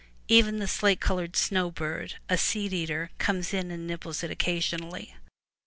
Even the slate colored snow bird, a seed eater, comes and nibbles it occasionally.